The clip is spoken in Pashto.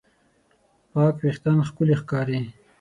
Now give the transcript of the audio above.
پاک وېښتيان ښکلي ښکاري.